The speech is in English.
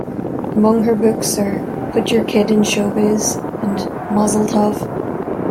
Among her books are "Put Your Kid in Show Biz" and "Mazel Tov!